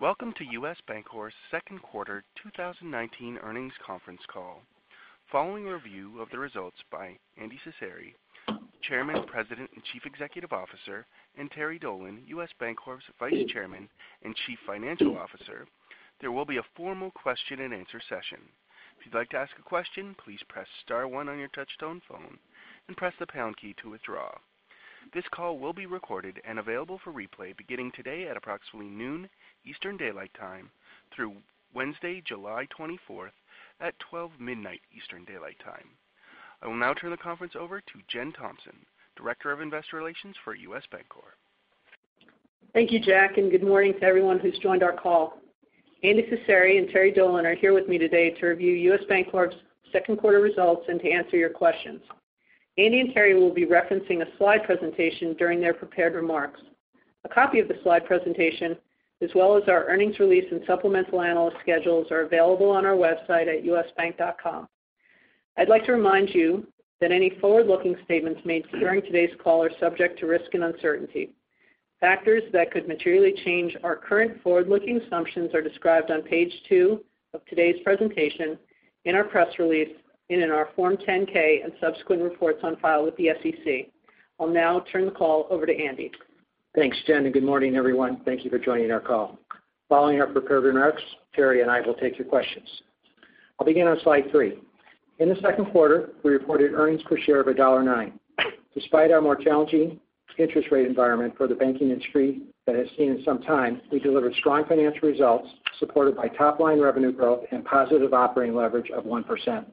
Welcome to U.S. Bancorp's second quarter 2019 earnings conference call. Following review of the results by Andy Cecere, Chairman, President, and Chief Executive Officer, and Terry Dolan, U.S. Bancorp's Vice Chairman and Chief Financial Officer, there will be a formal question and answer session. If you'd like to ask a question, please press star one on your touch-tone phone and press the pound key to withdraw. This call will be recorded and available for replay beginning today at approximately noon Eastern Daylight Time through Wednesday, July 24th, at twelve midnight Eastern Daylight Time. I will now turn the conference over to Jen Thompson, Director of Investor Relations for U.S. Bancorp. Thank you, Jack, and good morning to everyone who's joined our call. Andy Cecere and Terry Dolan are here with me today to review U.S. Bancorp's second quarter results and to answer your questions. Andy and Terry will be referencing a slide presentation during their prepared remarks. A copy of the slide presentation, as well as our earnings release and supplemental analyst schedules, are available on our website at usbank.com. I'd like to remind you that any forward-looking statements made during today's call are subject to risk and uncertainty. Factors that could materially change our current forward-looking assumptions are described on page two of today's presentation, in our press release, and in our Form 10-K and subsequent reports on file with the SEC. I'll now turn the call over to Andy. Thanks, Jen, and good morning, everyone. Thank you for joining our call. Following our prepared remarks, Terry and I will take your questions. I'll begin on slide three. In the second quarter, we reported earnings per share of $1.09. Despite our more challenging interest rate environment for the banking industry that has seen in some time, we delivered strong financial results supported by top-line revenue growth and positive operating leverage of 1%.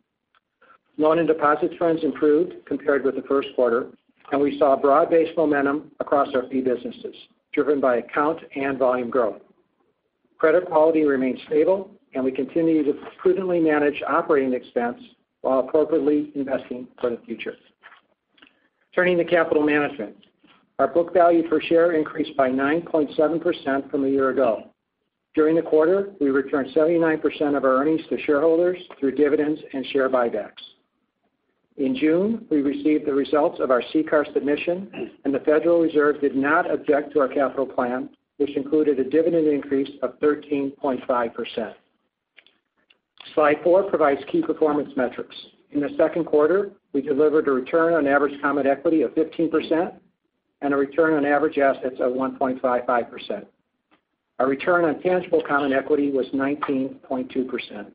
Loan and deposit trends improved compared with the first quarter, and we saw broad-based momentum across our fee businesses, driven by account and volume growth. Credit quality remains stable, and we continue to prudently manage operating expense while appropriately investing for the future. Turning to capital management. Our book value per share increased by 9.7% from a year ago. During the quarter, we returned 79% of our earnings to shareholders through dividends and share buybacks. In June, we received the results of our CCAR submission, and the Federal Reserve did not object to our capital plan, which included a dividend increase of 13.5%. Slide four provides key performance metrics. In the second quarter, we delivered a return on average common equity of 15% and a return on average assets of 1.55%. Our return on tangible common equity was 19.2%.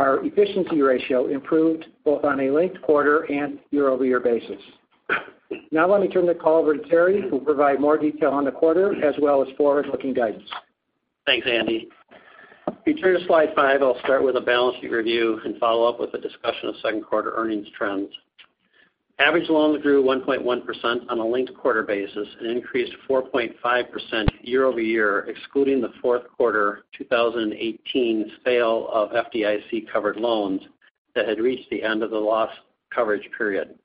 Our efficiency ratio improved both on a linked quarter and year-over-year basis. Now let me turn the call over to Terry, who will provide more detail on the quarter as well as forward-looking guidance. Thanks, Andy. If you turn to slide five, I will start with a balance sheet review and follow up with a discussion of second quarter earnings trends. Average loans grew 1.1% on a linked quarter basis and increased 4.5% year-over-year, excluding the fourth quarter 2018 sale of FDIC-covered loans that had reached the end of the loss coverage period.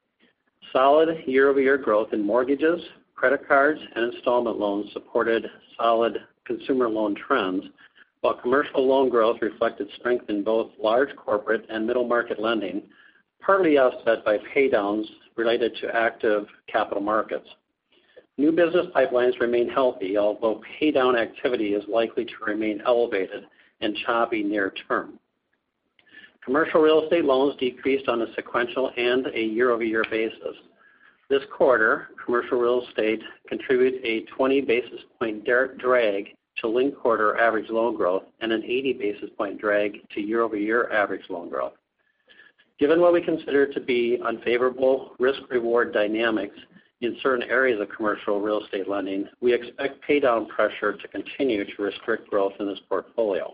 Solid year-over-year growth in mortgages, credit cards, and installment loans supported solid consumer loan trends, while commercial loan growth reflected strength in both large corporate and middle market lending, partly offset by paydowns related to active capital markets. New business pipelines remain healthy, although paydown activity is likely to remain elevated and choppy near term. Commercial real estate loans decreased on a sequential and a year-over-year basis. This quarter, commercial real estate contributes a 20-basis-point drag to linked quarter average loan growth and an 80-basis-point drag to year-over-year average loan growth. Given what we consider to be unfavorable risk-reward dynamics in certain areas of commercial real estate lending, we expect paydown pressure to continue to restrict growth in this portfolio.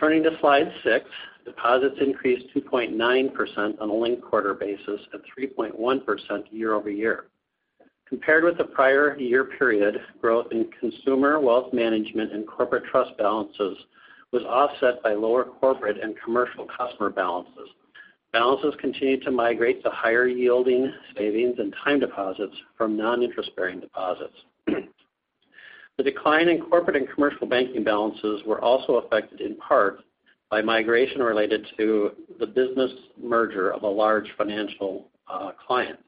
Turning to slide six, deposits increased 2.9% on a linked quarter basis and 3.1% year-over-year. Compared with the prior year period, growth in consumer wealth management and corporate trust balances was offset by lower corporate and commercial customer balances. Balances continued to migrate to higher yielding savings and time deposits from non-interest-bearing deposits. The decline in corporate and commercial banking balances were also affected in part by migration related to the business merger of a large financial client.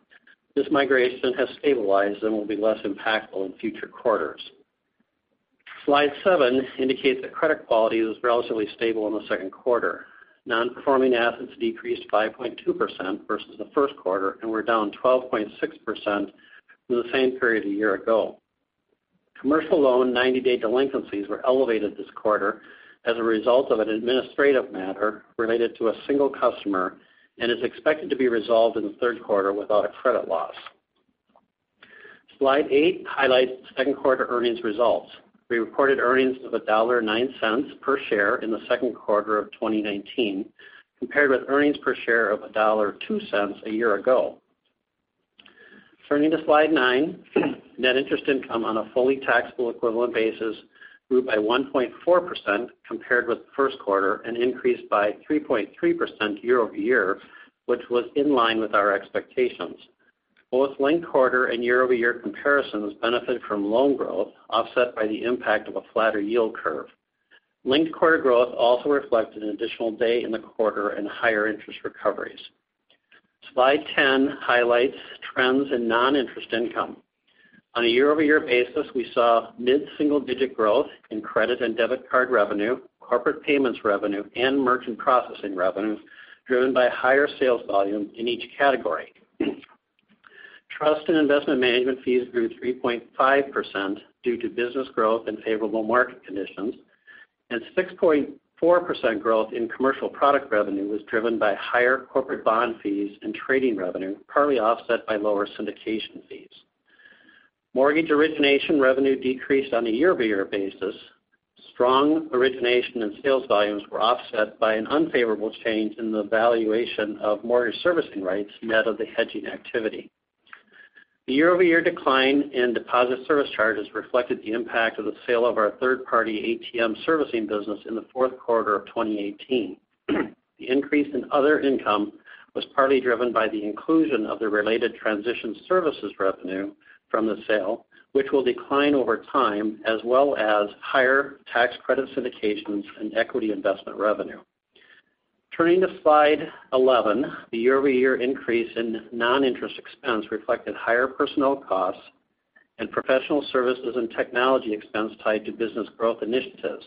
This migration has stabilized and will be less impactful in future quarters. Slide seven indicates that credit quality was relatively stable in the second quarter. Non-performing assets decreased 5.2% versus the first quarter and were down 12.6% from the same period a year ago. Commercial loan 90-day delinquencies were elevated this quarter as a result of an administrative matter related to a single customer and is expected to be resolved in the third quarter without a credit loss. Slide eight highlights second quarter earnings results. We reported earnings of $1.09 per share in the second quarter of 2019, compared with earnings per share of $1.02 a year ago. Turning to slide nine, net interest income on a fully taxable equivalent basis grew by 1.4% compared with the first quarter and increased by 3.3% year-over-year, which was in line with our expectations. Both linked quarter and year-over-year comparisons benefited from loan growth offset by the impact of a flatter yield curve. Linked quarter growth also reflected an additional day in the quarter and higher interest recoveries. Slide 10 highlights trends in non-interest income. On a year-over-year basis, we saw mid-single-digit growth in credit and debit card revenue, corporate payments revenue, and merchant processing revenue, driven by higher sales volume in each category. Trust and investment management fees grew 3.5% due to business growth and favorable market conditions, and 6.4% growth in commercial product revenue was driven by higher corporate bond fees and trading revenue, partly offset by lower syndication fees. Mortgage origination revenue decreased on a year-over-year basis. Strong origination and sales volumes were offset by an unfavorable change in the valuation of mortgage servicing rights net of the hedging activity. The year-over-year decline in deposit service charges reflected the impact of the sale of our third-party ATM servicing business in the fourth quarter of 2018. The increase in other income was partly driven by the inclusion of the related transition services revenue from the sale, which will decline over time, as well as higher tax credit syndications and equity investment revenue. Turning to slide 11, the year-over-year increase in non-interest expense reflected higher personnel costs and professional services and technology expense tied to business growth initiatives.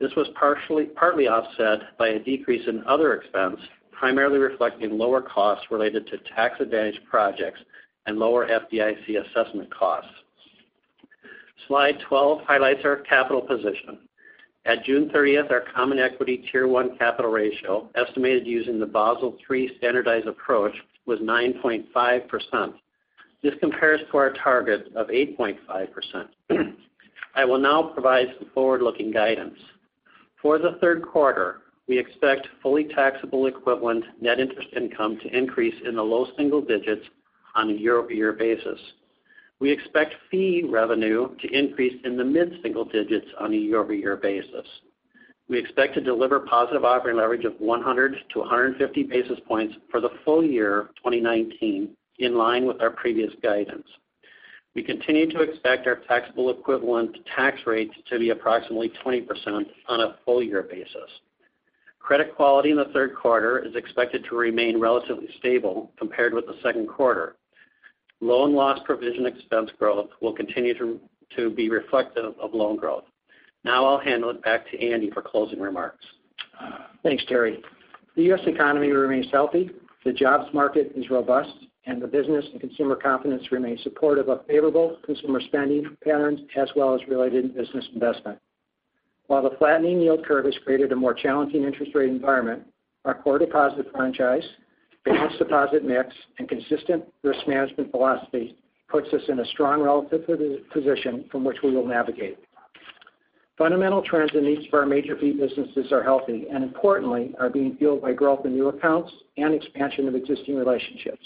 This was partly offset by a decrease in other expense, primarily reflecting lower costs related to tax advantage projects and lower FDIC assessment costs. Slide 12 highlights our capital position. At June 30th, our Common Equity Tier 1 capital ratio, estimated using the Basel III standardized approach, was 9.5%. This compares to our target of 8.5%. I will now provide some forward-looking guidance. For the third quarter, we expect fully taxable equivalent net interest income to increase in the low single digits on a year-over-year basis. We expect fee revenue to increase in the mid-single digits on a year-over-year basis. We expect to deliver positive operating leverage of 100 to 150 basis points for the full year 2019, in line with our previous guidance. We continue to expect our taxable equivalent tax rate to be approximately 20% on a full-year basis. Credit quality in the third quarter is expected to remain relatively stable compared with the second quarter. Loan loss provision expense growth will continue to be reflective of loan growth. Now I'll hand it back to Andy for closing remarks. Thanks, Terry. The U.S. economy remains healthy. The jobs market is robust. The business and consumer confidence remain supportive of favorable consumer spending patterns as well as related business investment. While the flattening yield curve has created a more challenging interest rate environment, our core deposit franchise, balanced deposit mix, and consistent risk management philosophy puts us in a strong relative position from which we will navigate. Fundamental trends in each of our major fee businesses are healthy. Importantly, are being fueled by growth in new accounts and expansion of existing relationships,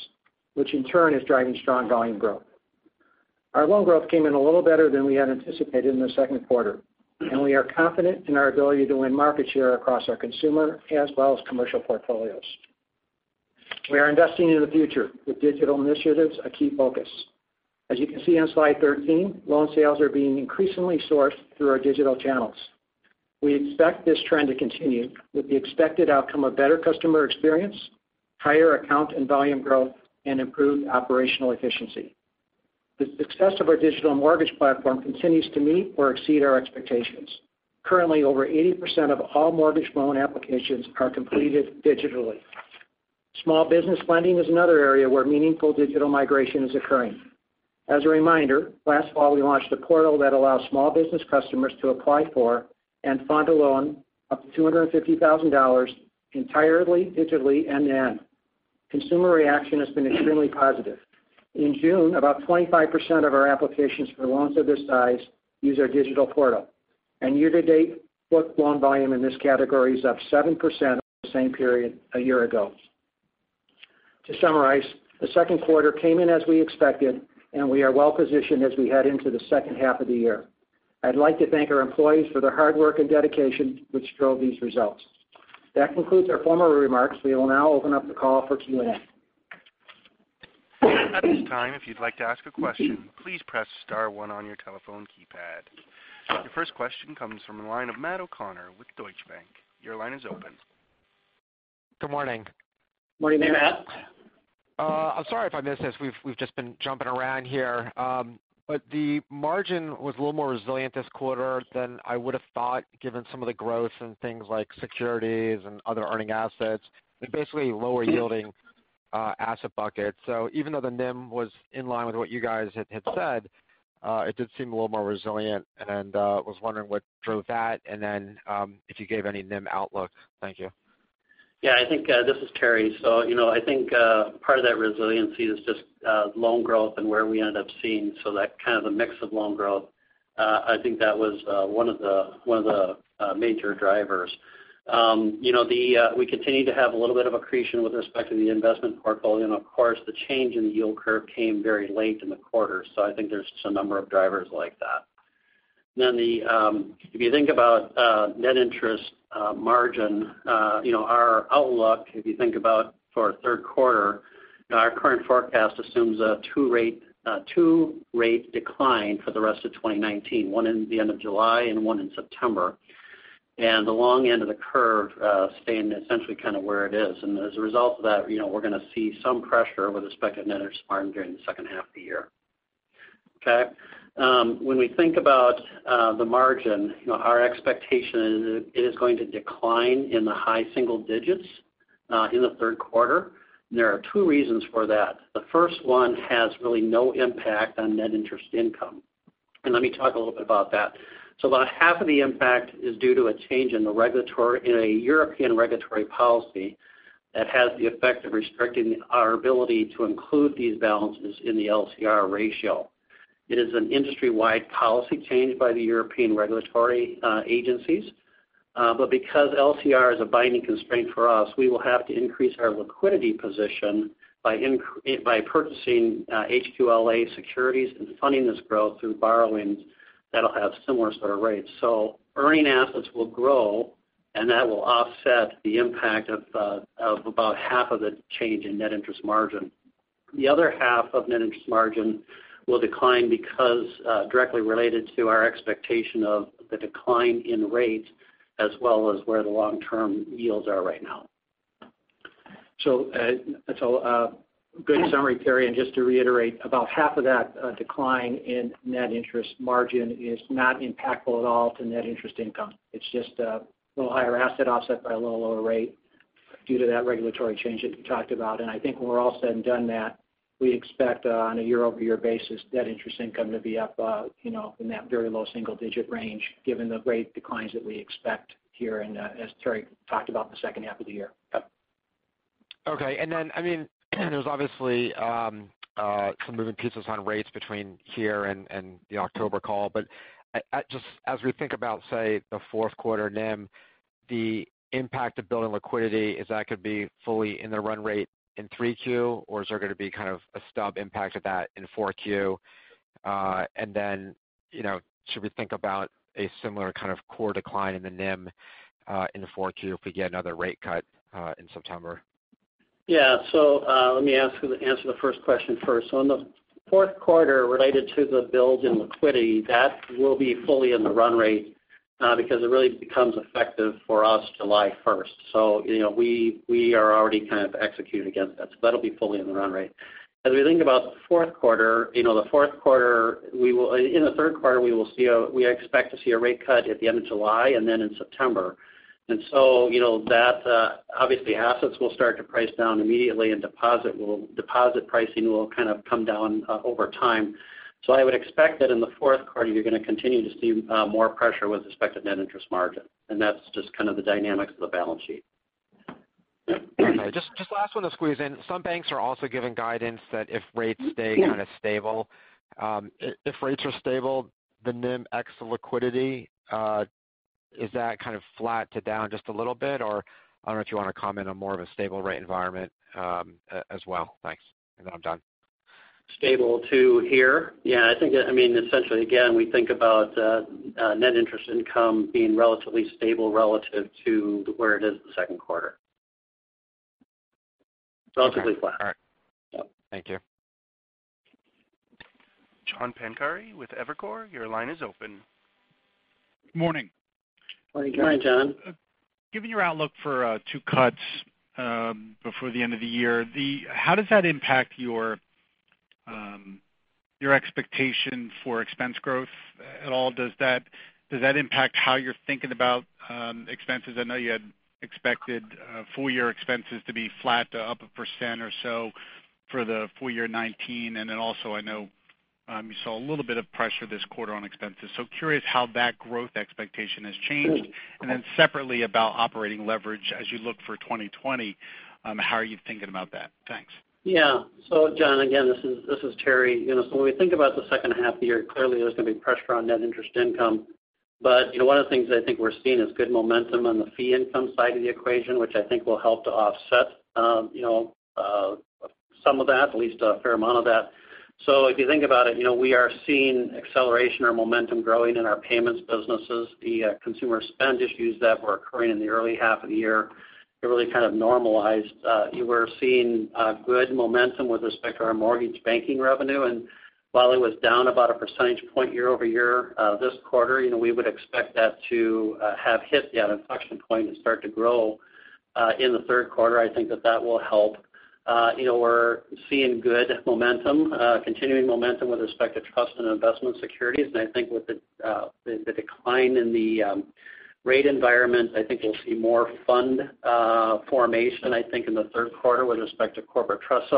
which in turn is driving strong volume growth. Our loan growth came in a little better than we had anticipated in the second quarter. We are confident in our ability to win market share across our consumer as well as commercial portfolios. We are investing in the future with digital initiatives a key focus. As you can see on slide 13, loan sales are being increasingly sourced through our digital channels. We expect this trend to continue with the expected outcome of better customer experience, higher account and volume growth, and improved operational efficiency. The success of our digital mortgage platform continues to meet or exceed our expectations. Currently, over 80% of all mortgage loan applications are completed digitally. Small business lending is another area where meaningful digital migration is occurring. As a reminder, last fall, we launched a portal that allows small business customers to apply for and fund a loan up to $250,000 entirely digitally end to end. Consumer reaction has been extremely positive. In June, about 25% of our applications for loans of this size used our digital portal. Year to date, book loan volume in this category is up 7% over the same period a year ago. To summarize, the second quarter came in as we expected, and we are well positioned as we head into the second half of the year. I'd like to thank our employees for their hard work and dedication, which drove these results. That concludes our formal remarks. We will now open up the call for Q&A. At this time, if you'd like to ask a question, please press *1 on your telephone keypad. Your first question comes from the line of Matt O'Connor with Deutsche Bank. Your line is open. Good morning. Morning there, Matt. I'm sorry if I missed this. We've just been jumping around here. The margin was a little more resilient this quarter than I would have thought, given some of the growth in things like securities and other earning assets, basically lower yielding asset buckets. Even though the NIM was in line with what you guys had said, it did seem a little more resilient, and I was wondering what drove that, and then if you gave any NIM outlook. Thank you. Yeah. This is Terry. I think part of that resiliency is just loan growth and where we end up seeing, so that kind of a mix of loan growth. I think that was one of the major drivers. We continue to have a little bit of accretion with respect to the investment portfolio, and of course, the change in the yield curve came very late in the quarter. I think there's just a number of drivers like that. If you think about net interest margin, our outlook, if you think about for our third quarter. Our current forecast assumes a two-rate decline for the rest of 2019, one in the end of July and one in September. The long end of the curve staying essentially kind of where it is. As a result of that, we're going to see some pressure with respect to net interest margin during the second half of the year. Okay? When we think about the margin, our expectation is it is going to decline in the high single digits in the third quarter, and there are two reasons for that. The first one has really no impact on net interest income. Let me talk a little bit about that. About half of the impact is due to a change in a European regulatory policy that has the effect of restricting our ability to include these balances in the LCR ratio. It is an industry-wide policy change by the European regulatory agencies. Because LCR is a binding constraint for us, we will have to increase our liquidity position by purchasing HQLA securities and funding this growth through borrowings that'll have similar sort of rates. Earning assets will grow, and that will offset the impact of about half of the change in net interest margin. The other half of net interest margin will decline because directly related to our expectation of the decline in rates, as well as where the long-term yields are right now. That's all a good summary, Terry. Just to reiterate, about half of that decline in net interest margin is not impactful at all to net interest income. It's just a little higher asset offset by a little lower rate due to that regulatory change that you talked about. I think when we're all said and done that, we expect on a year-over-year basis net interest income to be up in that very low single-digit range, given the rate declines that we expect here and as Terry talked about, the second half of the year. Yep. There's obviously some moving pieces on rates between here and the October call. As we think about, say, the fourth quarter NIM, the impact of building liquidity, is that going to be fully in the run rate in 3Q, or is there going to be kind of a stub impact of that in 4Q? Should we think about a similar kind of core decline in the NIM, in the 4Q if we get another rate cut in September? Let me answer the first question first. On the fourth quarter related to the build in liquidity, that will be fully in the run rate because it really becomes effective for us July 1st. We are already kind of executing against that. That'll be fully in the run rate. As we think about the fourth quarter, in the third quarter, we expect to see a rate cut at the end of July and then in September. Obviously assets will start to price down immediately and deposit pricing will kind of come down over time. I would expect that in the fourth quarter, you're going to continue to see more pressure with respect to net interest margin, and that's just kind of the dynamics of the balance sheet. Just last one to squeeze in. Some banks are also giving guidance that if rates stay kind of stable, the NIM ex of liquidity, is that kind of flat to down just a little bit, or I don't know if you want to comment on more of a stable rate environment as well. Thanks. I'm done. Stable to here. Yeah, I think, essentially, again, we think about net interest income being relatively stable relative to where it is the second quarter. Relatively flat. All right. Yep. Thank you. John Pancari with Evercore, your line is open. Morning. Morning, John. Given your outlook for two cuts before the end of the year, how does that impact your expectation for expense growth at all? Does that impact how you're thinking about expenses? I know you had expected full year expenses to be flat to up 1% or so for the full year 2019, also I know you saw a little bit of pressure this quarter on expenses. Curious how that growth expectation has changed. Separately about operating leverage as you look for 2020, how are you thinking about that? Thanks. Yeah. John, again, this is Terry. When we think about the second half of the year, clearly there's going to be pressure on net interest income. One of the things I think we're seeing is good momentum on the fee income side of the equation, which I think will help to offset some of that, at least a fair amount of that. If you think about it, we are seeing acceleration or momentum growing in our payments businesses. The consumer spend issues that were occurring in the early half of the year, they're really kind of normalized. We're seeing good momentum with respect to our mortgage banking revenue. While it was down about a percentage point year-over-year this quarter, we would expect that to have hit the inflection point and start to grow, in the third quarter. I think that that will help. We're seeing good momentum, continuing momentum with respect to trust and investment securities. I think with the decline in the rate environment, I think we'll see more fund formation, I think, in the third quarter with respect to corporate trust.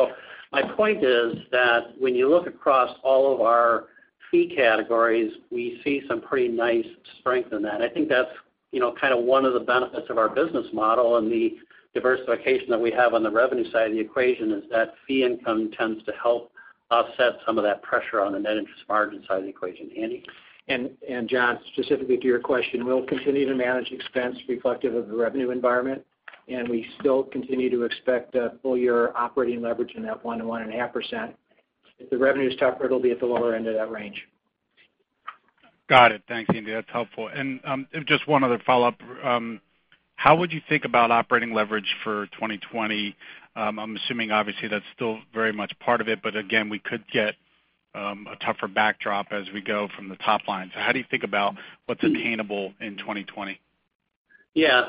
My point is that when you look across all of our fee categories, we see some pretty nice strength in that. I think that's one of the benefits of our business model and the diversification that we have on the revenue side of the equation is that fee income tends to help offset some of that pressure on the net interest margin side of the equation. Andy? John, specifically to your question, we'll continue to manage expense reflective of the revenue environment, and we still continue to expect full year operating leverage in that 1% to 1.5%. If the revenue is tougher, it'll be at the lower end of that range. Got it. Thanks, Andy. That's helpful. Just one other follow-up. How would you think about operating leverage for 2020? I'm assuming obviously that's still very much part of it, again, we could get a tougher backdrop as we go from the top line. How do you think about what's attainable in 2020?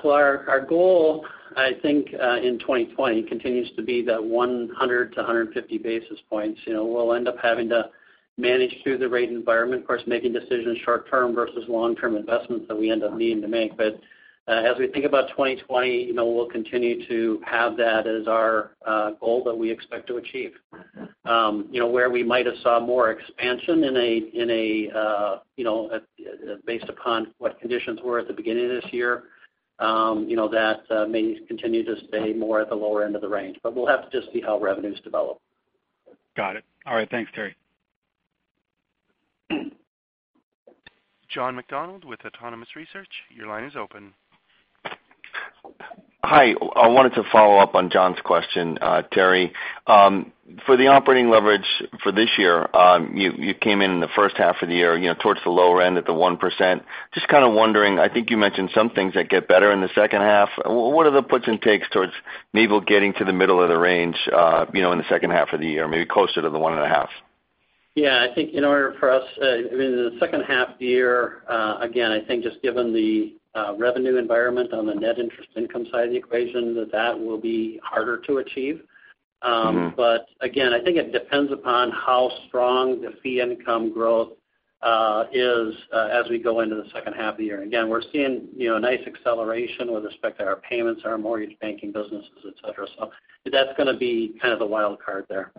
Our goal, I think, in 2020 continues to be that 100 to 150 basis points. We'll end up having to manage through the rate environment. Of course, making decisions short-term versus long-term investments that we end up needing to make. As we think about 2020, we'll continue to have that as our goal that we expect to achieve. Where we might have saw more expansion based upon what conditions were at the beginning of this year, that may continue to stay more at the lower end of the range, we'll have to just see how revenues develop. Got it. All right. Thanks, Terry. John McDonald with Autonomous Research, your line is open. Hi. I wanted to follow up on John's question, Terry. For the operating leverage for this year, you came in in the first half of the year towards the lower end at the 1%. Kind of wondering, I think you mentioned some things that get better in the second half. What are the puts and takes towards maybe getting to the middle of the range in the second half of the year, maybe closer to the one and a half? Yeah, I think in order for us in the second half of the year, again, I think just given the revenue environment on the net interest income side of the equation, that will be harder to achieve. Again, I think it depends upon how strong the fee income growth is as we go into the second half of the year. Again, we're seeing a nice acceleration with respect to our payments, our mortgage banking businesses, et cetera. That's going to be kind of the wild card there.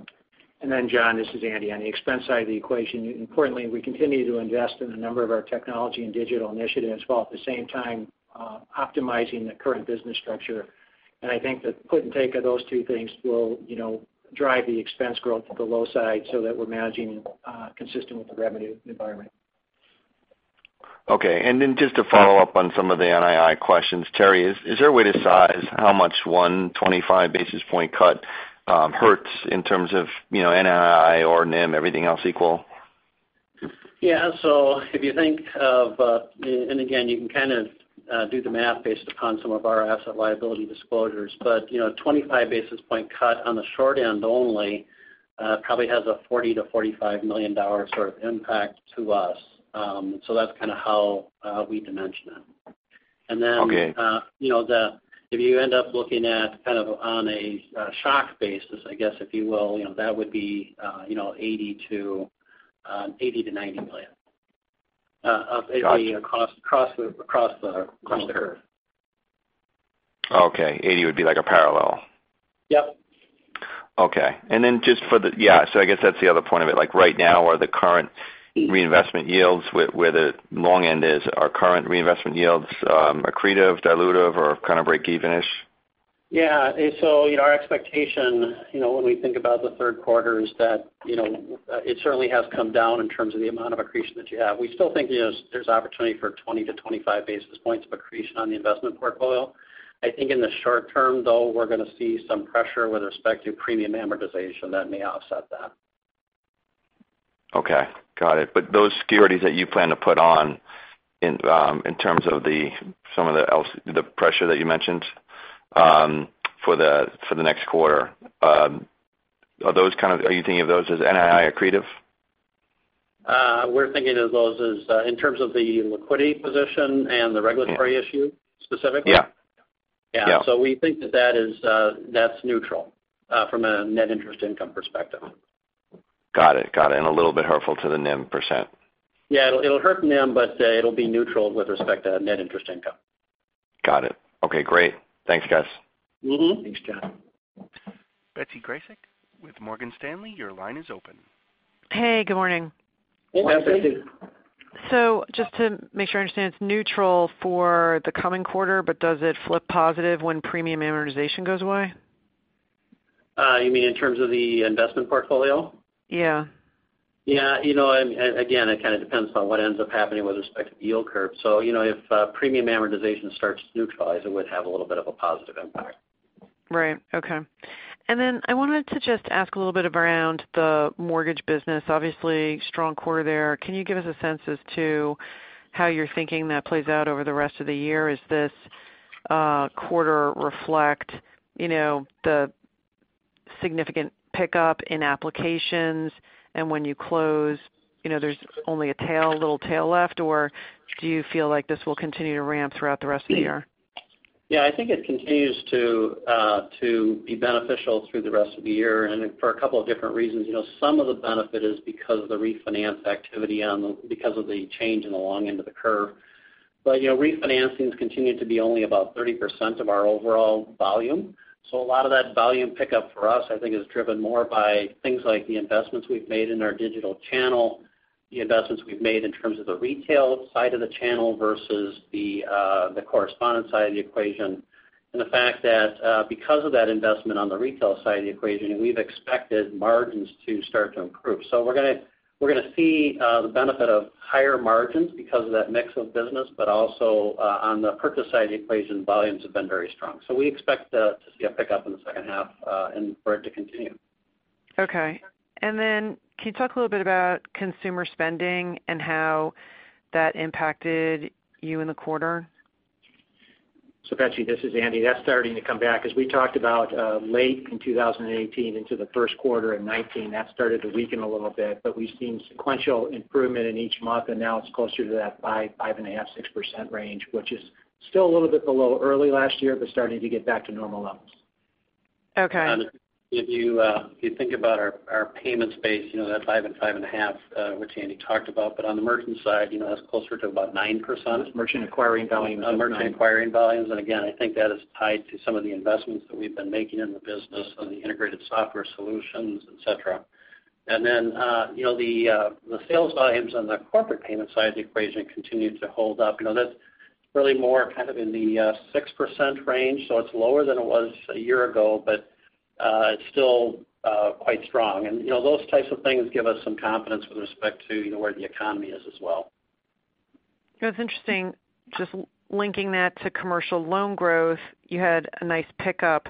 John, this is Andy. On the expense side of the equation, importantly, we continue to invest in a number of our technology and digital initiatives while at the same time optimizing the current business structure. I think the put and take of those two things will drive the expense growth to the low side so that we're managing consistent with the revenue environment. Okay. Just to follow up on some of the NII questions, Terry, is there a way to size how much one 25 basis point cut hurts in terms of NII or NIM, everything else equal? Yeah. If you think of, and again, you can kind of do the math based upon some of our asset liability disclosures, 25 basis point cut on the short end only probably has a $40 million-$45 million sort of impact to us. That's kind of how we dimension it. Okay. If you end up looking at kind of on a shock basis, I guess, if you will, that would be $80 million-$90 million across the curve. Okay. 80 would be like a parallel. Yep. Okay. Just for the I guess that's the other point of it, like right now are the current reinvestment yields where the long end is, are current reinvestment yields accretive, dilutive, or kind of breakeven-ish? Our expectation when we think about the third quarter is that it certainly has come down in terms of the amount of accretion that you have. We still think there's opportunity for 20 to 25 basis points of accretion on the investment portfolio. I think in the short term, though, we're going to see some pressure with respect to premium amortization that may offset that. Okay. Got it. Those securities that you plan to put on in terms of some of the pressure that you mentioned for the next quarter, are you thinking of those as NII accretive? We're thinking of those as in terms of the liquidity position and the regulatory issue specifically? Yeah. Yeah. Yeah. We think that that's neutral from a net interest income perspective. Got it. A little bit hurtful to the NIM%. Yeah. It'll hurt NIM, but it'll be neutral with respect to net interest income. Got it. Okay, great. Thanks, guys. Thanks, John. Betsy Graseck with Morgan Stanley, your line is open. Hey, good morning. Hey, Betsy. Good morning. Just to make sure I understand, it's neutral for the coming quarter, but does it flip positive when premium amortization goes away? You mean in terms of the investment portfolio? Yeah. Yeah. Again, it kind of depends upon what ends up happening with respect to the yield curve. If premium amortization starts to neutralize, it would have a little bit of a positive impact. Right. Okay. I wanted to just ask a little bit around the mortgage business. Obviously, strong quarter there. Can you give us a sense as to how you're thinking that plays out over the rest of the year? Is this quarter reflect the significant pickup in applications and when you close there's only a little tail left, or do you feel like this will continue to ramp throughout the rest of the year? Yeah, I think it continues to be beneficial through the rest of the year and for a couple of different reasons. Some of the benefit is because of the refinance activity because of the change in the long end of the curve. Refinancings continue to be only about 30% of our overall volume. A lot of that volume pickup for us, I think, is driven more by things like the investments we've made in our digital channel, the investments we've made in terms of the retail side of the channel versus the correspondent side of the equation, and the fact that because of that investment on the retail side of the equation, we've expected margins to start to improve. We're going to see the benefit of higher margins because of that mix of business, also on the purchase side of the equation, volumes have been very strong. We expect to see a pickup in the second half and for it to continue. Can you talk a little bit about consumer spending and how that impacted you in the quarter? Betsy, this is Andy. That's starting to come back. As we talked about late in 2018 into the first quarter in 2019, that started to weaken a little bit, but we've seen sequential improvement in each month, and now it's closer to that 5%, 5.5%, 6% range, which is still a little bit below early last year, but starting to get back to normal levels. Okay. If you think about our payment space, that 5% and 5.5%, which Andy talked about, but on the merchant side, that's closer to about 9%. merchant acquiring volumes. Merchant acquiring volumes. Again, I think that is tied to some of the investments that we've been making in the business on the integrated software solutions, et cetera. The sales volumes on the corporate payment side of the equation continue to hold up. That's really more kind of in the 6% range. It's lower than it was a year ago, but it's still quite strong. Those types of things give us some confidence with respect to where the economy is as well. It's interesting, just linking that to commercial loan growth. You had a nice pickup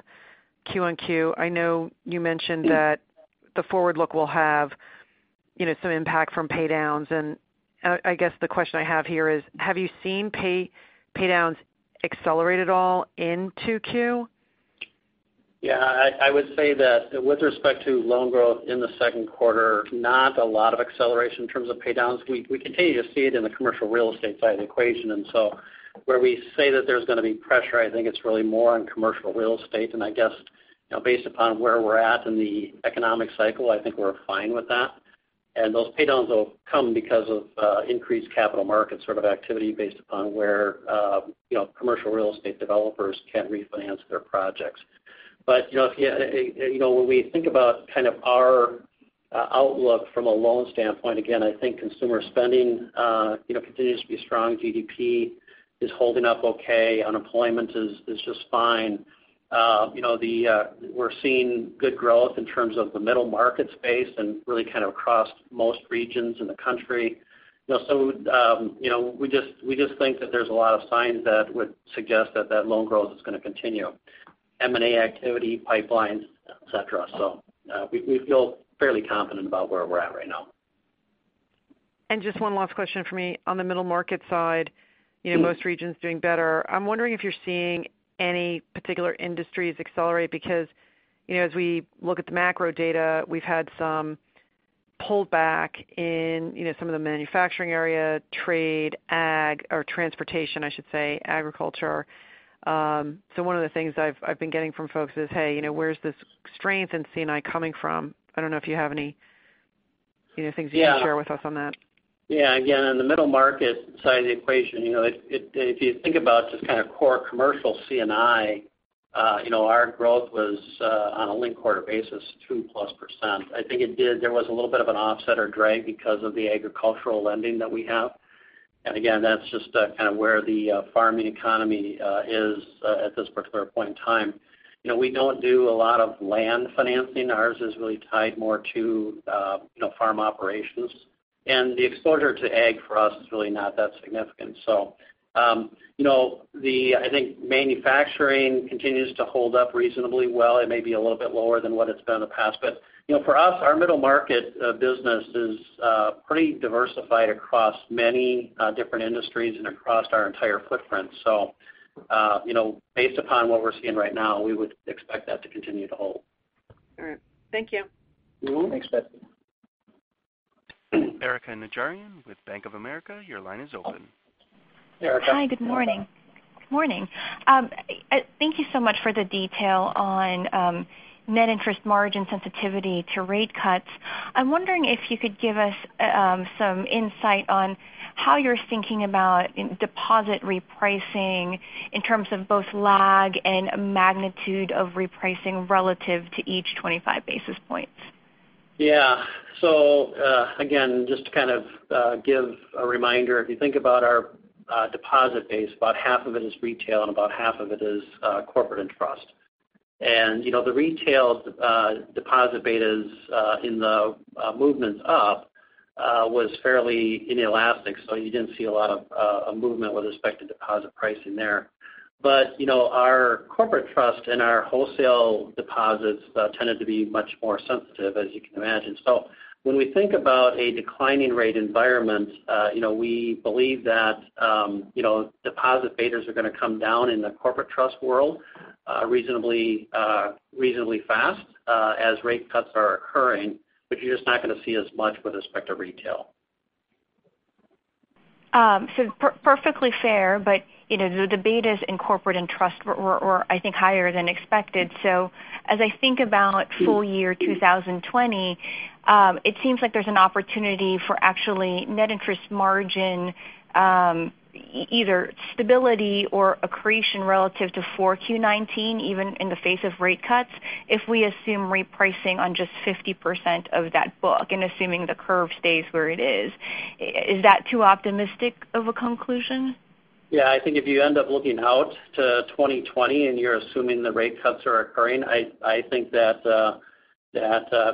Q1. I know you mentioned that the forward look will have some impact from pay-downs, I guess the question I have here is, have you seen pay-downs accelerate at all in Q2? Yeah, I would say that with respect to loan growth in the second quarter, not a lot of acceleration in terms of pay-downs. We continue to see it in the commercial real estate side of the equation. Where we say that there's going to be pressure, I think it's really more on commercial real estate. I guess based upon where we're at in the economic cycle, I think we're fine with that. Those pay-downs will come because of increased capital market sort of activity based upon where commercial real estate developers can refinance their projects. When we think about kind of our outlook from a loan standpoint, again, I think consumer spending continues to be strong. GDP is holding up okay. Unemployment is just fine. We're seeing good growth in terms of the middle market space and really kind of across most regions in the country. We just think that there's a lot of signs that would suggest that loan growth is going to continue. M&A activity, pipelines, et cetera. We feel fairly confident about where we're at right now. Just one last question from me. On the middle market side, most regions doing better. I'm wondering if you're seeing any particular industries accelerate because as we look at the macro data, we've had some pullback in some of the manufacturing area, trade, agriculture, or transportation. One of the things I've been getting from folks is, hey, where's this strength in C&I coming from? I don't know if you have any things you can share with us on that. Yeah. Again, on the middle market side of the equation, if you think about just kind of core commercial C&I, our growth was on a linked quarter basis, 2+%. I think there was a little bit of an offset or drag because of the agricultural lending that we have. Again, that's just kind of where the farming economy is at this particular point in time. We don't do a lot of land financing. Ours is really tied more to farm operations. The exposure to ag for us is really not that significant. I think manufacturing continues to hold up reasonably well. It may be a little bit lower than what it's been in the past, but for us, our middle market business is pretty diversified across many different industries and across our entire footprint. Based upon what we're seeing right now, we would expect that to continue to hold. All right. Thank you. You're welcome. Thanks, Betsy. Erika Najarian with Bank of America, your line is open. Erika. Hi, good morning. Thank you so much for the detail on net interest margin sensitivity to rate cuts. I'm wondering if you could give us some insight on how you're thinking about deposit repricing in terms of both lag and magnitude of repricing relative to each 25 basis points. Yeah. Again, just to kind of give a reminder, if you think about our deposit base, about one-half of it is retail and about one-half of it is Corporate Trust. The retail deposit betas in the movements up were fairly inelastic, so you did not see a lot of movement with respect to deposit pricing there. Our Corporate Trust and our wholesale deposits tended to be much more sensitive, as you can imagine. When we think about a declining rate environment, we believe that deposit betas are going to come down in the Corporate Trust world reasonably fast as rate cuts are occurring, but you are just not going to see as much with respect to retail. Perfectly fair, the betas in Corporate Trust were I think higher than expected. As I think about full year 2020, it seems like there is an opportunity for actually net interest margin, either stability or accretion relative to 4Q 2019, even in the face of rate cuts, if we assume repricing on just 50% of that book and assuming the curve stays where it is. Is that too optimistic of a conclusion? Yeah, I think if you end up looking out to 2020 and you are assuming the rate cuts are occurring, I think that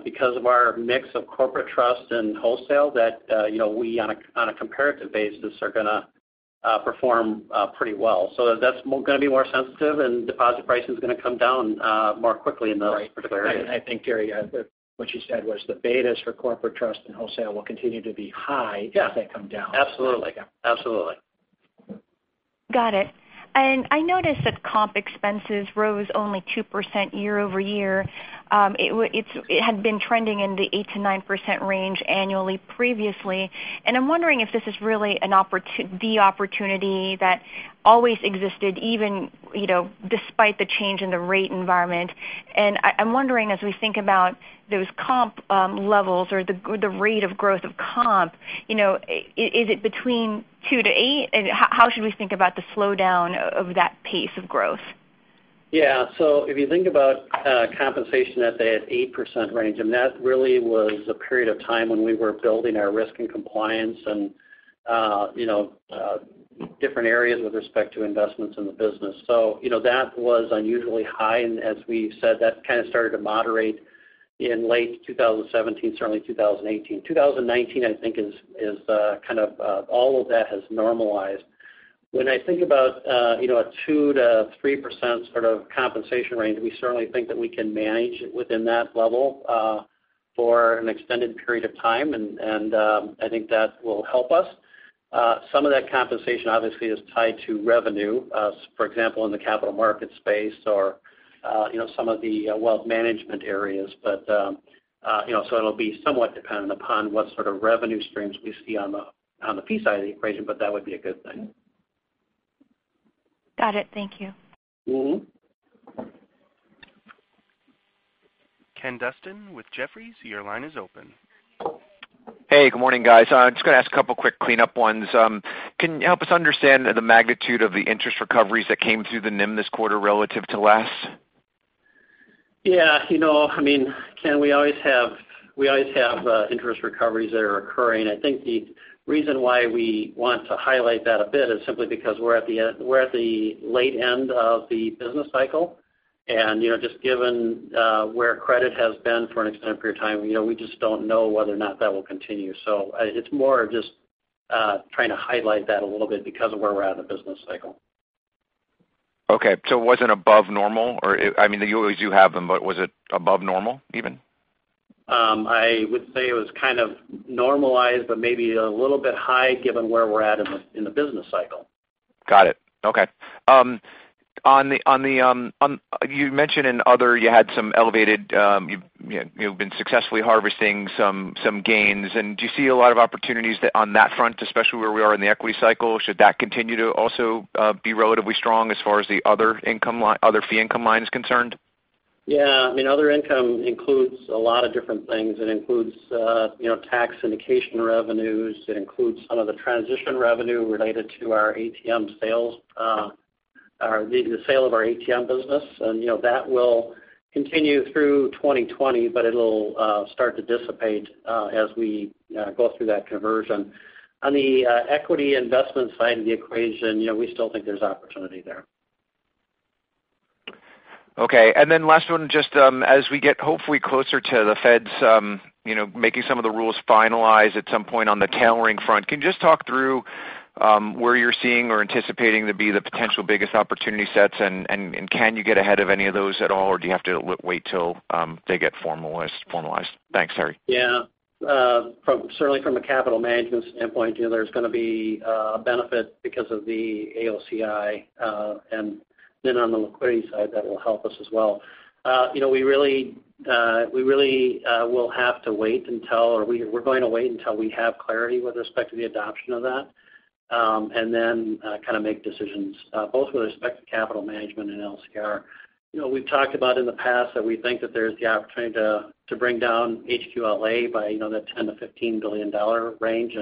because of our mix of Corporate Trust and wholesale, that we on a comparative basis are going to perform pretty well. That is going to be more sensitive, and deposit pricing is going to come down more quickly in those particular areas. Right. I think, Terry, what you said was the betas for Corporate Trust and wholesale will continue to be high- Yeah as they come down. Absolutely. Yeah. Absolutely. Got it. I noticed that comp expenses rose only 2% year-over-year. It had been trending in the 8%-9% range annually previously, and I'm wondering if this is really the opportunity that always existed, even despite the change in the rate environment. I'm wondering as we think about those comp levels or the rate of growth of comp, is it between 2% to 8%? How should we think about the slowdown of that pace of growth? Yeah. If you think about compensation at that 8% range, that really was a period of time when we were building our risk and compliance and different areas with respect to investments in the business. That was unusually high. As we've said, that kind of started to moderate in late 2017, certainly 2018. 2019, I think is kind of all of that has normalized. When I think about a 2%-3% sort of compensation range, we certainly think that we can manage within that level for an extended period of time, and I think that will help us. Some of that compensation obviously is tied to revenue. For example, in the capital market space or some of the wealth management areas. It'll be somewhat dependent upon what sort of revenue streams we see on the fee side of the equation, but that would be a good thing. Got it. Thank you. Ken Usdin with Jefferies, your line is open. Hey, good morning, guys. I'm just going to ask a couple quick cleanup ones. Can you help us understand the magnitude of the interest recoveries that came through the NIM this quarter relative to last? Yeah. Ken, we always have interest recoveries that are occurring. I think the reason why we want to highlight that a bit is simply because we're at the late end of the business cycle. Just given where credit has been for an extended period of time, we just don't know whether or not that will continue. It's more of just trying to highlight that a little bit because of where we're at in the business cycle. Okay. It wasn't above normal? You always do have them, but was it above normal even? I would say it was kind of normalized but maybe a little bit high given where we're at in the business cycle. Got it. Okay. You mentioned in other, you had some elevated, you've been successfully harvesting some gains. Do you see a lot of opportunities on that front, especially where we are in the equity cycle? Should that continue to also be relatively strong as far as the other fee income line is concerned? Yeah. Other income includes a lot of different things. It includes tax syndication revenues. It includes some of the transition revenue related to the sale of our ATM business. That will continue through 2020, but it'll start to dissipate as we go through that conversion. On the equity investment side of the equation, we still think there's opportunity there. Okay. Last one, just as we get hopefully closer to the Feds making some of the rules finalized at some point on the tailoring front, can you just talk through where you're seeing or anticipating to be the potential biggest opportunity sets, and can you get ahead of any of those at all, or do you have to wait till they get formalized? Thanks, Terry. Yeah. Certainly from a capital management standpoint, there's going to be a benefit because of the AOCI, and on the liquidity side, that will help us as well. We really will have to wait until or we're going to wait until we have clarity with respect to the adoption of that. Then kind of make decisions both with respect to capital management and LCR. We've talked about in the past that we think that there's the opportunity to bring down HQLA by that $10 billion-$15 billion range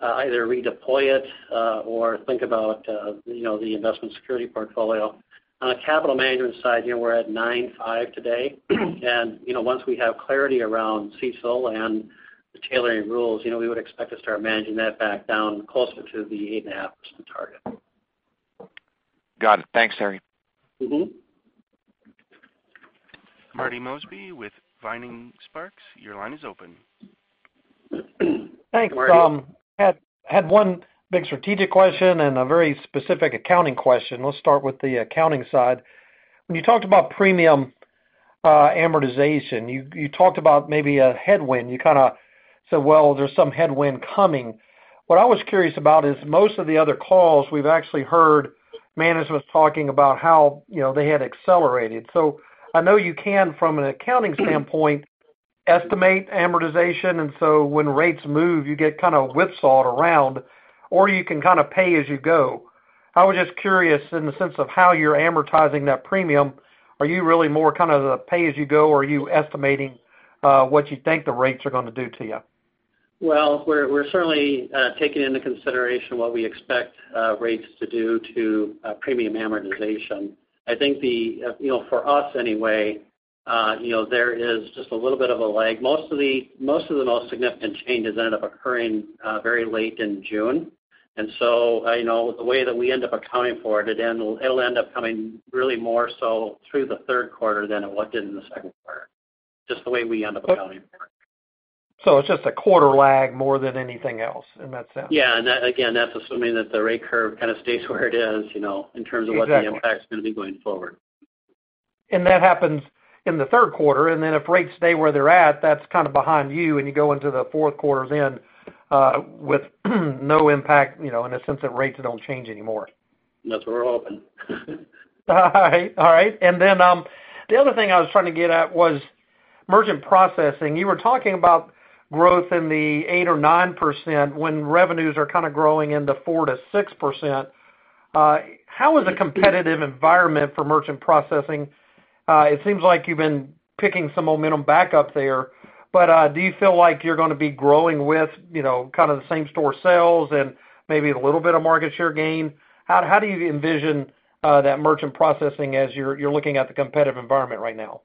and either redeploy it or think about the investment security portfolio. On the capital management side, we're at 9.5% today. Once we have clarity around CECL and the tailoring rules, we would expect to start managing that back down closer to the 8.5% target. Got it. Thanks, Terry. Marty Mosby with Vining Sparks, your line is open. Thanks. Marty. had one big strategic question and a very specific accounting question. Let's start with the accounting side. When you talked about premium amortization, you talked about maybe a headwind. You kind of said, "Well, there's some headwind coming." What I was curious about is most of the other calls we've actually heard management talking about how they had accelerated. I know you can, from an accounting standpoint, estimate amortization, and when rates move, you get kind of whipsawed around, or you can kind of pay as you go. I was just curious in the sense of how you're amortizing that premium. Are you really more kind of the pay as you go, or are you estimating what you think the rates are going to do to you? Well, we're certainly taking into consideration what we expect rates to do to premium amortization. I think for us anyway, there is just a little bit of a lag. Most of the most significant changes ended up occurring very late in June. I know the way that we end up accounting for it'll end up coming really more so through the third quarter than it was in the second quarter, just the way we end up accounting. It's just a quarter lag more than anything else in that sense. Yeah. Again, that's assuming that the rate curve kind of stays where it is in terms of. Exactly what the impact's going to be going forward. That happens in the third quarter, if rates stay where they're at, that's kind of behind you and you go into the fourth quarter with no impact, in a sense that rates don't change anymore. That's what we're hoping. All right. The other thing I was trying to get at was merchant processing. You were talking about growth in the 8% or 9% when revenues are kind of growing into 4%-6%. How is the competitive environment for merchant processing? It seems like you've been picking some momentum back up there, but do you feel like you're going to be growing with kind of the same store sales and maybe a little bit of market share gain? How do you envision that merchant processing as you're looking at the competitive environment right now?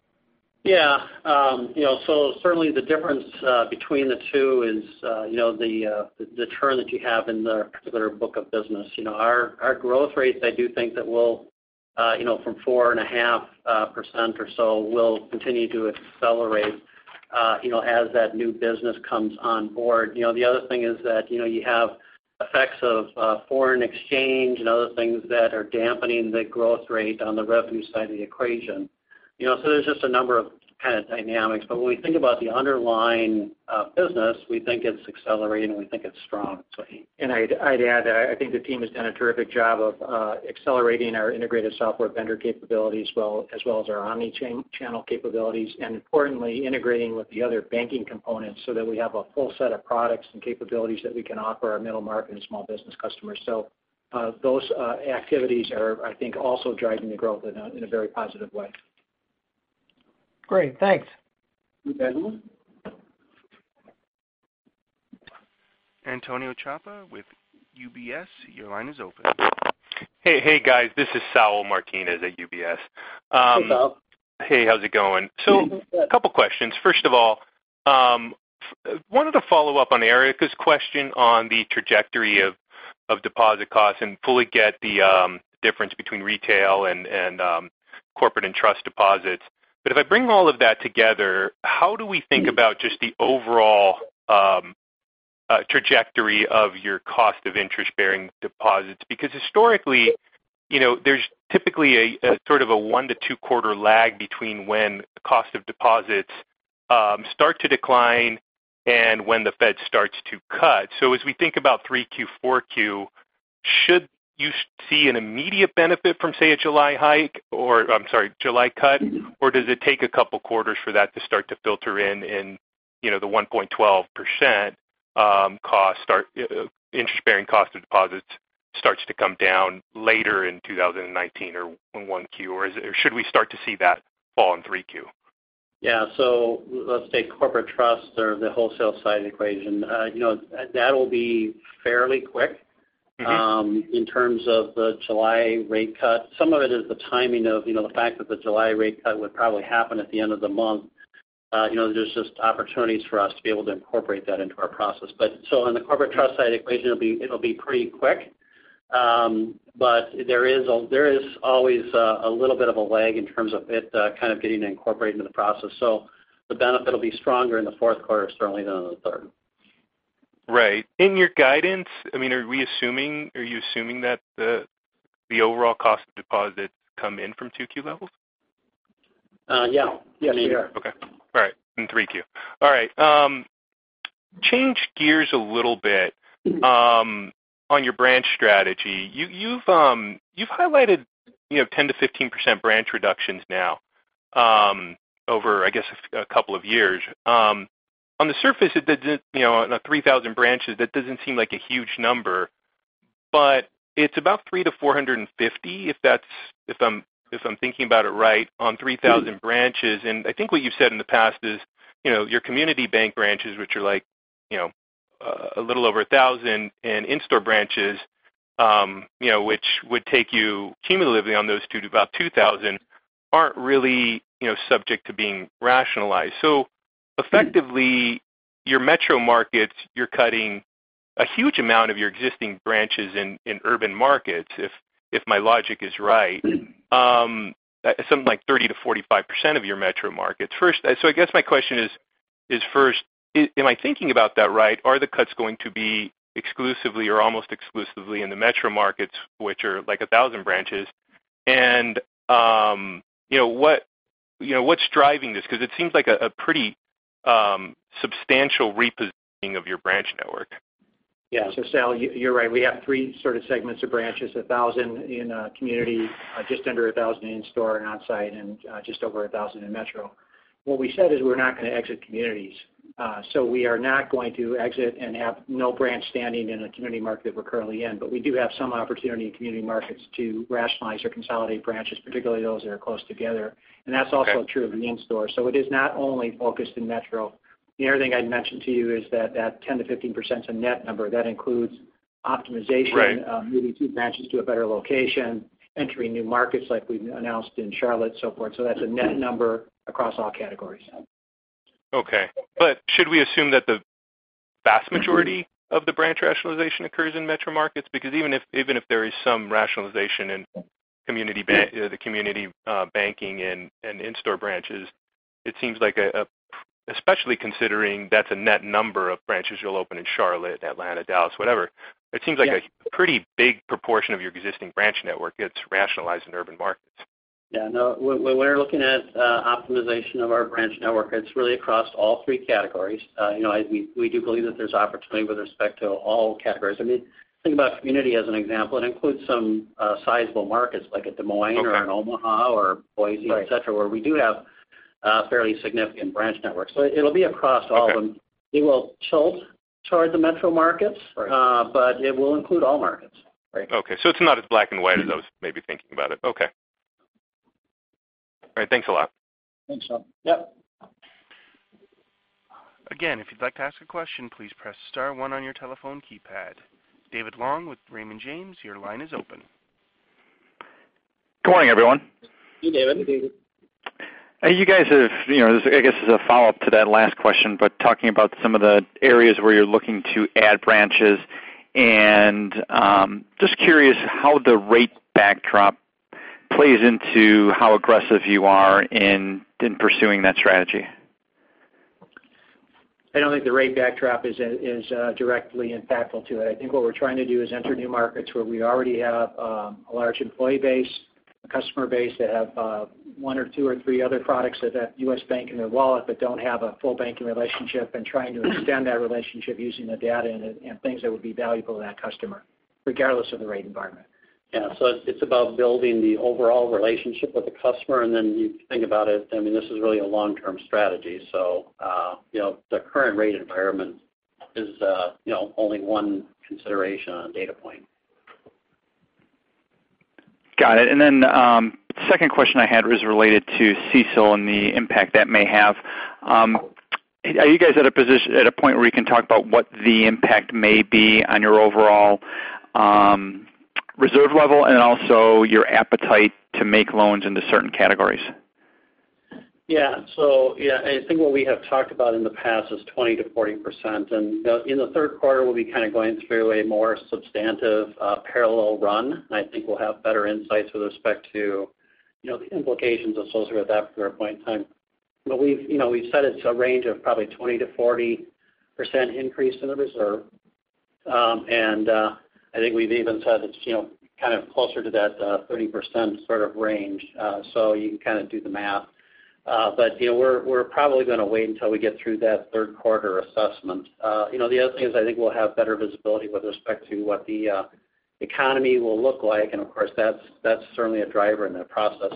Yeah. Certainly, the difference between the two is the churn that you have in the particular book of business. Our growth rates, I do think that from 4.5% or so will continue to accelerate as that new business comes on board. The other thing is that you have effects of foreign exchange and other things that are dampening the growth rate on the revenue side of the equation. There's just a number of kind of dynamics, but when we think about the underlying business, we think it's accelerating and we think it's strong. I'd add, I think the team has done a terrific job of accelerating our integrated software vendor capabilities, as well as our omni-channel capabilities. Importantly, integrating with the other banking components so that we have a full set of products and capabilities that we can offer our middle market and small business customers. Those activities are, I think, also driving the growth in a very positive way. Great. Thanks. You bet. Antonio Chapa with UBS, your line is open. Hey, guys. This is Saul Martinez at UBS. Hey, Saul. Hey, how's it going? Good. Couple questions. First of all, wanted to follow up on Erika's question on the trajectory of deposit costs and fully get the difference between retail and corporate trust deposits. If I bring all of that together, how do we think about just the overall trajectory of your cost of interest-bearing deposits? Historically, there's typically a sort of a one to two quarter lag between when the cost of deposits start to decline and when the Fed starts to cut. As we think about 3Q, 4Q, should you see an immediate benefit from, say, a July hike, or I'm sorry, July cut? Does it take a couple quarters for that to start to filter in the 1.12% interest-bearing cost of deposits starts to come down later in 2019 or 1Q? Should we start to see that fall in 3Q? Yeah. Let's take corporate trust or the wholesale side of the equation. That'll be fairly quick- in terms of the July rate cut. Some of it is the timing of the fact that the July rate cut would probably happen at the end of the month. There's just opportunities for us to be able to incorporate that into our process. On the corporate trust side equation, it'll be pretty quick. There is always a little bit of a lag in terms of it kind of getting incorporated into the process. The benefit will be stronger in the fourth quarter, certainly, than in the third. Right. In your guidance, are you assuming that the overall cost of deposits come in from 2Q levels? Yeah. We are. Okay. All right. In 3Q. All right. Change gears a little bit. On your branch strategy. You've highlighted 10%-15% branch reductions now over, I guess, a couple of years. On the surface, on the 3,000 branches, that doesn't seem like a huge number, but it's about 300-450, if I'm thinking about it right, on 3,000 branches. I think what you've said in the past is your community bank branches, which are a little over 1,000, and in-store branches which would take you cumulatively on those two to about 2,000, aren't really subject to being rationalized. Effectively, your metro markets, you're cutting a huge amount of your existing branches in urban markets, if my logic is right. Something like 30%-45% of your metro markets. I guess my question is first, am I thinking about that right? Are the cuts going to be exclusively or almost exclusively in the metro markets, which are like 1,000 branches? What's driving this? Because it seems like a pretty substantial repositioning of your branch network. Yeah. Saul, you're right. We have three sort of segments of branches. 1,000 in community, just under 1,000 in store and outside, and just over 1,000 in metro. What we said is we're not going to exit communities. We are not going to exit and have no branch standing in a community market that we're currently in. We do have some opportunity in community markets to rationalize or consolidate branches, particularly those that are close together. Okay. That's also true of the in-store. It is not only focused in metro. The other thing I'd mention to you is that that 10% to 15% is a net number. That includes optimization- Right moving two branches to a better location, entering new markets like we've announced in Charlotte, so forth. That's a net number across all categories. Okay. Should we assume that the vast majority of the branch rationalization occurs in metro markets because even if there is some rationalization in the community banking and in-store branches, it seems like, especially considering that's a net number of branches you'll open in Charlotte, Atlanta, Dallas, whatever. It seems like a pretty big proportion of your existing branch network gets rationalized in urban markets. Yeah, no. When we're looking at optimization of our branch network, it's really across all three categories. We do believe that there's opportunity with respect to all categories. Think about community as an example. It includes some sizable markets like a Des Moines or an Omaha or Boise, et cetera, where we do have fairly significant branch networks. It'll be across all of them. Okay. It will tilt toward the metro markets. Right It will include all markets. Right. Okay. It's not as black and white as I was maybe thinking about it. Okay. All right, thanks a lot. Thanks, Saul. Yep. If you'd like to ask a question, please press star one on your telephone keypad. David Long with Raymond James, your line is open. Good morning, everyone. Hey, David. Hey, David. This, I guess, is a follow-up to that last question. Talking about some of the areas where you're looking to add branches and just curious how the rate backdrop plays into how aggressive you are in pursuing that strategy. I don't think the rate backdrop is directly impactful to it. I think what we're trying to do is enter new markets where we already have a large employee base, a customer base that have one or two or three other products that have U.S. Bank in their wallet but don't have a full banking relationship and trying to extend that relationship using the data in it and things that would be valuable to that customer, regardless of the rate environment. Yeah. It's about building the overall relationship with the customer, and then you think about it, this is really a long-term strategy. The current rate environment is only one consideration on a data point. Got it. Second question I had was related to CECL and the impact that may have. Are you guys at a point where you can talk about what the impact may be on your overall reserve level and also your appetite to make loans into certain categories? Yeah. Yeah, I think what we have talked about in the past is 20%-40%, in the third quarter, we'll be going through a more substantive parallel run. I think we'll have better insights with respect to the implications associated with that particular point in time. We've said it's a range of probably 20%-40% increase in the reserve. I think we've even said it's kind of closer to that 30% sort of range. You can kind of do the math. We're probably going to wait until we get through that third-quarter assessment. The other thing is, I think we'll have better visibility with respect to what the economy will look like, and of course, that's certainly a driver in that process.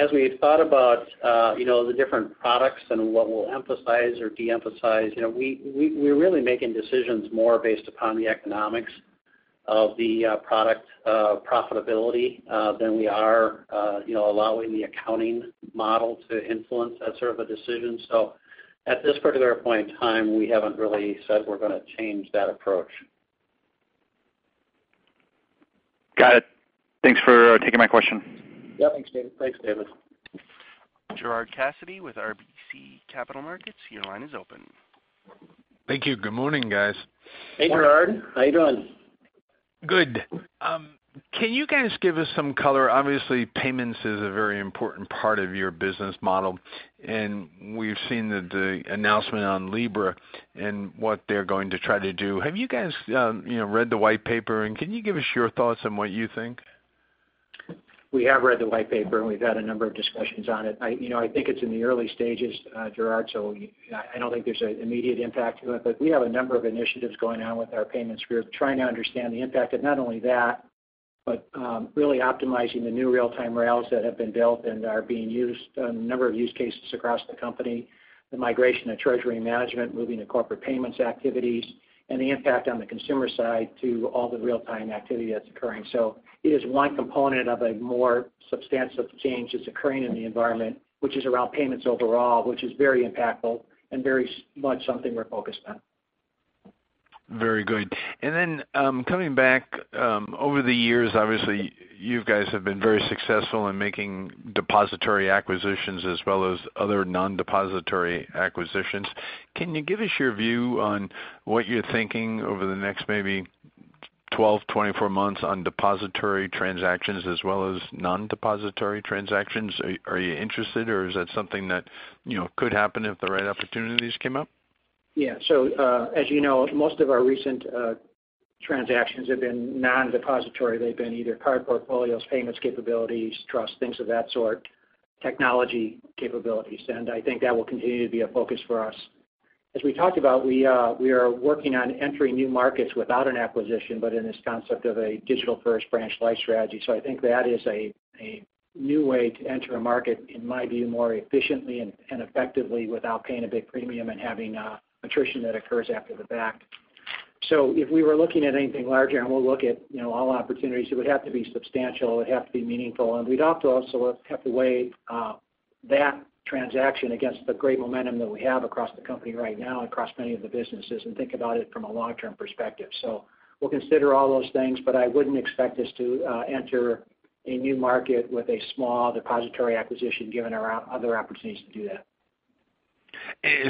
As we thought about the different products and what we'll emphasize or de-emphasize, we're really making decisions more based upon the economics of the product profitability than we are allowing the accounting model to influence that sort of a decision. At this particular point in time, we haven't really said we're going to change that approach. Got it. Thanks for taking my question. Yeah. Thanks, David. Thanks, David. Gerard Cassidy with RBC Capital Markets, your line is open. Thank you. Good morning, guys. Hey, Gerard. How you doing? Good. Can you guys give us some color? Obviously, payments is a very important part of your business model. We've seen the announcement on Libra and what they're going to try to do. Have you guys read the white paper, can you give us your thoughts on what you think? We have read the white paper. We've had a number of discussions on it. I think it's in the early stages, Gerard. I don't think there's an immediate impact to it. We have a number of initiatives going on with our payments group, trying to understand the impact of not only that but really optimizing the new real-time rails that have been built and are being used on a number of use cases across the company, the migration of treasury management, moving to corporate payments activities, and the impact on the consumer side to all the real-time activity that's occurring. It is one component of a more substantive change that's occurring in the environment, which is around payments overall, which is very impactful and very much something we're focused on. Very good. Coming back, over the years, obviously, you guys have been very successful in making depository acquisitions as well as other non-depository acquisitions. Can you give us your view on what you're thinking over the next maybe 12, 24 months on depository transactions as well as non-depository transactions? Are you interested, or is that something that could happen if the right opportunities came up? Yeah. As you know, most of our recent transactions have been non-depository. They've been either card portfolios, payments capabilities, trust, things of that sort, technology capabilities. I think that will continue to be a focus for us. As we talked about, we are working on entering new markets without an acquisition, but in this concept of a digital-first branch light strategy. I think that is a new way to enter a market, in my view, more efficiently and effectively without paying a big premium and having attrition that occurs after the fact. If we were looking at anything larger, and we'll look at all opportunities, it would have to be substantial, it would have to be meaningful. We'd have to also weigh that transaction against the great momentum that we have across the company right now, across many of the businesses, and think about it from a long-term perspective. We'll consider all those things, but I wouldn't expect us to enter a new market with a small depository acquisition given our other opportunities to do that.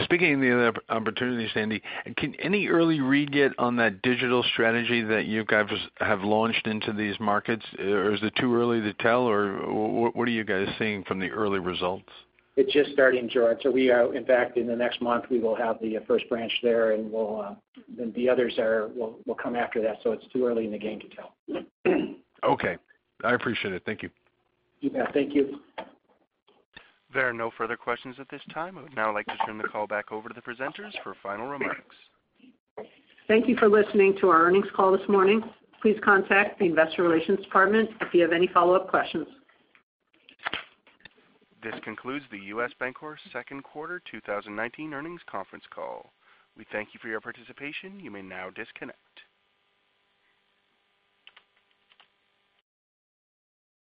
Speaking of the other opportunities, Andy, can any early read get on that digital strategy that you guys have launched into these markets? Is it too early to tell? What are you guys seeing from the early results? It's just starting, Gerard. We are, in fact, in the next month, we will have the first branch there, and then the others will come after that. It's too early in the game to tell. Okay. I appreciate it. Thank you. You bet. Thank you. There are no further questions at this time. I would now like to turn the call back over to the presenters for final remarks. Thank you for listening to our earnings call this morning. Please contact the investor relations department if you have any follow-up questions. This concludes the U.S. Bancorp second quarter 2019 earnings conference call. We thank you for your participation. You may now disconnect.